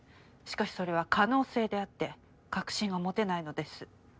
しかしそれは可能性であって確信が持てないのです。